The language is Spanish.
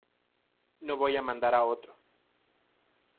No voy a mandar a otro.